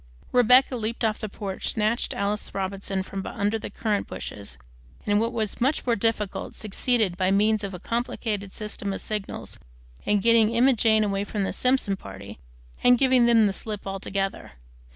Rebecca leaped off the porch, snatched Alice Robinson from under the currant bushes, and, what was much more difficult, succeeded, by means of a complicated system of signals, in getting Emma Jane away from the Simpson party and giving them the slip altogether.